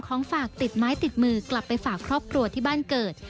ของฝากติดไม้ติดมือกลับไปฝากครอบครัวที่บ้านเกิด